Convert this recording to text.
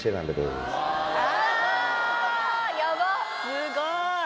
すごい。